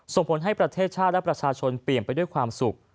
ส่งผลให้ประเทศชาติและประชาชนเปลี่ยนไปด้วยความสุข